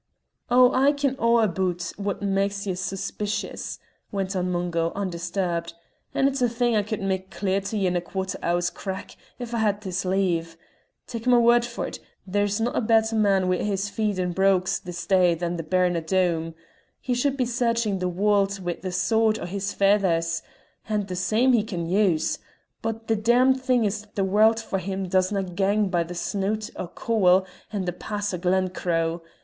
"Oh, I ken a' aboot what mak's ye sae suspicious," went on Mungo, undisturbed, "and it's a thing I could mak' clear to ye in a quarter hour's crack if I had his leave. Tak' my word for't, there's no' a better man wi' his feet in brogues this day than the Baron o' Doom. He should be searchin' the warld wi' the sword o' his faithers (and the same he can use), but the damned thing is the warld for him doesna gang by the snout o' Cowal and the pass o' Glencroe.